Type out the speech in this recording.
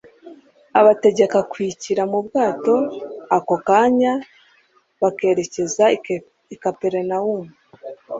abategeka kwikira mu bwato ako kanya bakerekeza i Kaperinaumu,